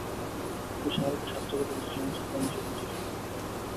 কিন্তু শাহরুখের স্বাস্থ্যগত কিছু সমস্যার কারণে শুটিং শেষ করতে দেরি হয়।